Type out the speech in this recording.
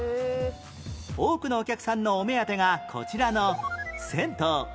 多くのお客さんのお目当てがこちらの